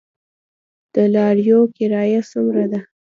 د لاریو کرایه څومره ده؟